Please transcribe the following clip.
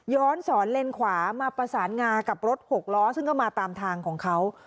สอนเลนขวามาประสานงากับรถหกล้อซึ่งก็มาตามทางของเขา